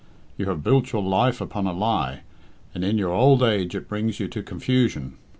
You have built your life upon a lie, and in your old age it brings you to confusion.